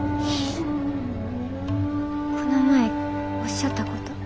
この前おっしゃったこと。